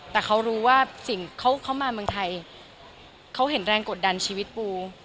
แต่เขารู้ว่าสิ่งเขามาเมืองไทยเขาเห็นแรงกดดันชีวิตปู